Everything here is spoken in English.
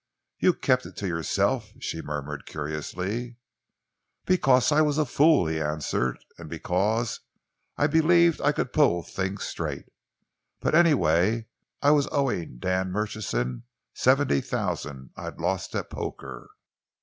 "You kept it to yourself," she murmured curiously. "Because I was a fool," he answered, "and because I believed I could pull things straight. But anyway, I was owing Dan Murchison seventy thousand I'd lost at poker.